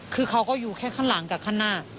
ส่วนรถที่นายสอนชัยขับอยู่ระหว่างการรอให้ตำรวจสอบ